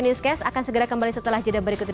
newscast akan segera kembali setelah jadah berikut